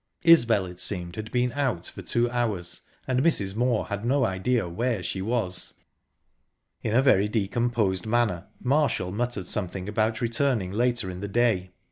Isbel, it seemed, had been out for two hours, and Mrs. Moor had no idea where she was. In a very decomposed manner, Marshall muttered something about returning later in the day.